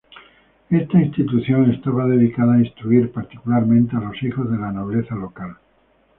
Esta institución estaba dedicada a instruir, particularmente, a los hijos de la nobleza local.